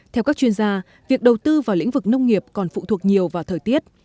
theo các chuyên gia việc đầu tư vào lĩnh vực nông nghiệp còn phụ thuộc nhiều vào thời tiết